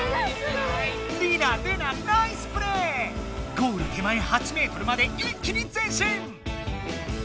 ゴール手前８ｍまで一気に前進！